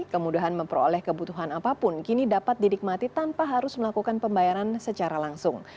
kemudahan memperoleh kebutuhan apapun kini dapat didikmati tanpa harus melakukan pembayaran secara langsung